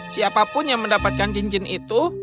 siapapun yang mendapatkan cincin itu